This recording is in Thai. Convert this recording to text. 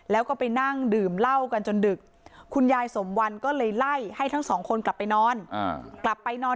แล้วก็ไปนั่งดื่มเหล้ากันจนดึกคุณยายสมวันก็เลยไล่ให้ทั้งสองคนกลับไปนอนกลับไปนอน